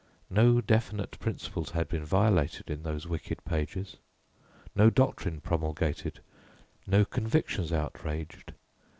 No definite principles had been violated in those wicked pages, no doctrine promulgated, no convictions outraged.